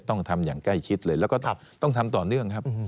ต้องทำอย่างใกล้ชิดเลยแล้วก็ต้องทำต่อเนื่องครับ